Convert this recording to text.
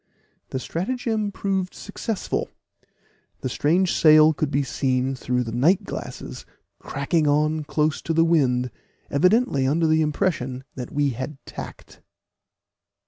The stratagem proved successful; the strange sail could be seen through the night glasses cracking on close to the wind, evidently under the impression that we had tacked.